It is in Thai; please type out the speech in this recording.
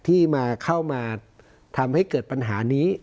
ที่มาเข้ามาทำให้เกิดปัญหานี้